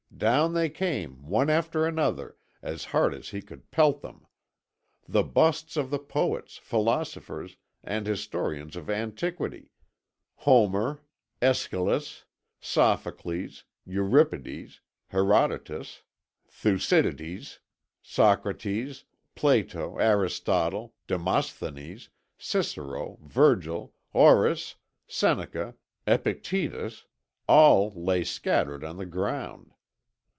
Down they came one after another as hard as he could pelt them; the busts of the poets, philosophers, and historians of antiquity Homer, Æschylus, Sophocles, Euripides, Herodotus, Thucydides, Socrates, Plato, Aristotle, Demosthenes, Cicero, Virgil, Horace, Seneca, Epictetus all lay scattered on the ground.